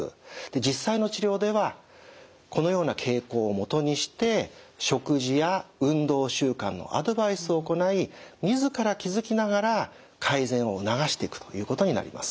実際の治療ではこのような傾向をもとにして食事や運動習慣のアドバイスを行い自ら気付きながら改善を促していくということになります。